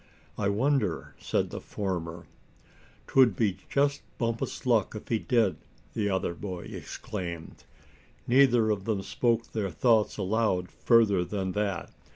"I wonder," said the former. "'Twould be just Bumpus' luck if he did," the other boy exclaimed. Neither of them spoke their thoughts aloud further than that.